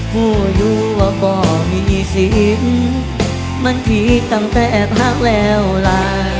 พูดดูว่าบ่มีสิทธิ์มันที่ตั้งแต่แอบหักแล้วล่ะ